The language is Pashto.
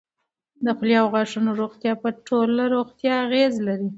د خولې او غاښونو روغتیا په ټوله روغتیا اغېز لري.